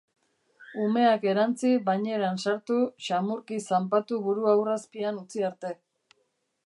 Umeak erantzi, baineran sartu, xamurki zanpatu burua ur azpian utzi arte.